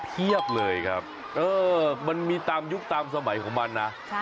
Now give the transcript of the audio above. เพียบเลยครับมันมีตามยุคตามสมัยของมันนะ